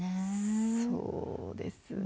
そうですね。